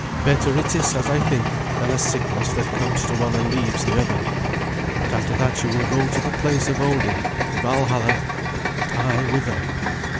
Better it is, as I think, than a sickness that comes to one and leaves the other. But after that you will go to the place of Odin, to Valhalla; but I whither?"